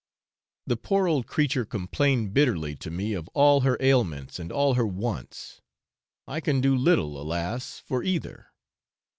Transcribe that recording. The poor old creature complained bitterly to me of all her ailments and all her wants. I can do little, alas! for either.